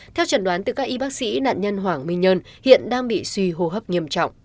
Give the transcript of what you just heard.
theo trần đoán từ các y bác sĩ nạn nhân hoàng minh nhân hiện đang bị suy hô hấp nghiêm trọng